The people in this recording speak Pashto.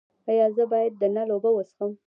ایا زه باید د نل اوبه وڅښم؟